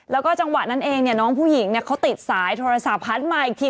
แล้วก็จังหวะนั้นเองเนี่ยน้องผู้หญิงเขาติดสายโทรศัพท์พัดมาอีกที